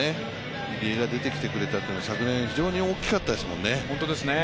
入江が出てきてくれたというのは昨年、非常に大きかったですもんね